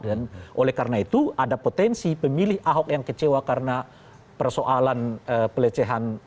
dan oleh karena itu ada potensi pemilih ahok yang kecewa karena persoalan pelecehan